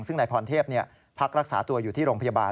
ซึ่งนายพรเทพพักรักษาตัวอยู่ที่โรงพยาบาล